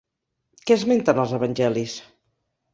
Què esmenten als evangelis?